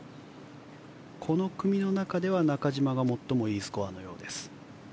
この組の中では中島が最もいいスコアのようです。